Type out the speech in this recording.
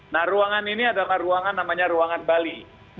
nah ruangan ini adalah ruangan namanya ruangan bali